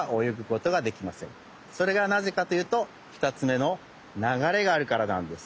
それがなぜかというと２つめの「流れがある」からなんです。